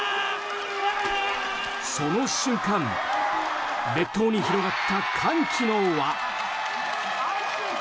その瞬間列島に広がった歓喜の輪。